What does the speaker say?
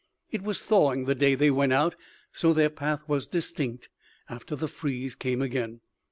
It was thawing the day they went out, so their path was distinct after the freeze came again.